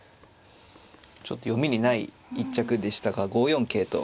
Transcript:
ちょっと読みにない一着でしたが５四桂と。